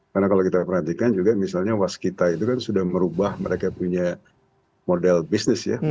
karena kalau kita perhatikan juga misalnya waskita itu kan sudah merubah mereka punya model bisnis ya